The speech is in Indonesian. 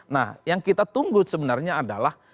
nah yang kita tunggu sebenarnya adalah